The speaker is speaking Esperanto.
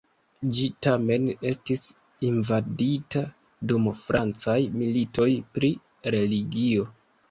Ĝi tamen estis invadita dum francaj militoj pri religio.